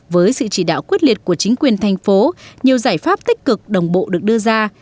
với sự chỉ đạo quyết liệt của chính quyền thành phố nhiều giải pháp tích cực đồng bộ được đưa ra